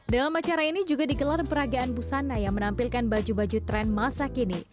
dalam acara ini juga digelar peragaan busana yang menampilkan baju baju tren masa kini